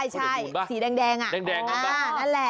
ใช่สีแดงแดงนั่นแหละ